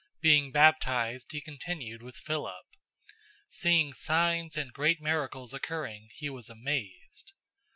Being baptized, he continued with Philip. Seeing signs and great miracles occurring, he was amazed.